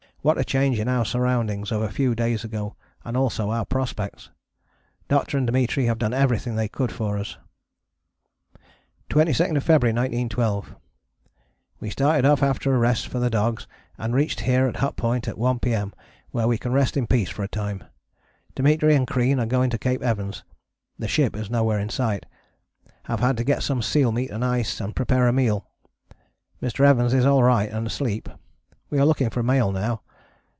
What a change in our surroundings of a few days ago and also our prospects. Doctor and Dimitri have done everything they could for us. 22nd February 1912. We started off after a rest for the dogs and reached here at Hut Point at 1 P.M. where we can rest in peace for a time. Dimitri and Crean are going to Cape Evans: the ship is nowhere in sight. Have had to get some seal meat and ice and prepare a meal. Mr. Evans is alright and asleep. We are looking for a mail now.